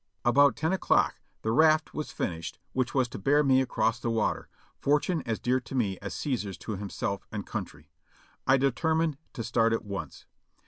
About ten o'clock the raft was finislied which was to bear me across the water, fortune as dear to me as Caesar's to himself and country. I determined to start at once.